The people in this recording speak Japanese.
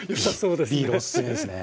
ビールおすすめですね。